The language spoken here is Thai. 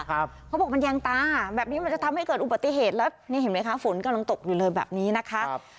เขาบอกมันแยงตาแบบนี้มันจะทำให้เกิดอุบัติเหตุแล้วนี่เห็นไหมคะฝนกำลังตกอยู่เลยแบบนี้นะคะ